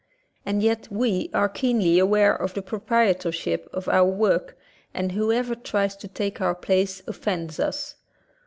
And yet we are keenly aware of the proprietorship of our work and whoever tries to take our place offends us.